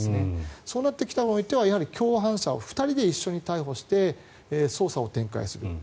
そうなってくると共犯者２人で一緒に逮捕して捜査を展開する。